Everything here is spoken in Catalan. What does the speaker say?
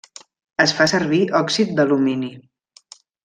Es fa servir òxid d'alumini.